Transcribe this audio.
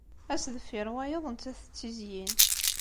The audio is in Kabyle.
Ass deffir wayeḍ nettat tettizyin.